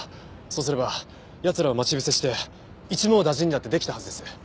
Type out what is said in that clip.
そうすれば奴らを待ち伏せして一網打尽にだって出来たはずです。